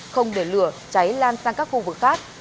không để lửa cháy lan sang các khu vực khác